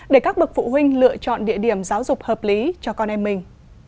để các bậc phụ huynh lựa chọn địa điểm giáo dục hợp lý cho con em mình